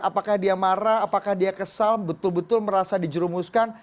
apakah dia marah apakah dia kesal betul betul merasa dijerumuskan